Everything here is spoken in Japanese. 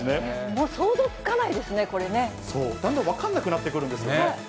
もう、想像つかないですね、だんだん分からなくなってくるんですよね。